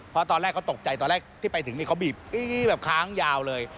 เพราะตอนแรกเขาตกใจตอนแรกที่ไปถึงนี่เขาบีบอี้แบบค้างยาวเลย